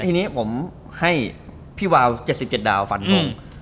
ทีนี้ผมให้พี่วาว๗๗ดาวฟันทง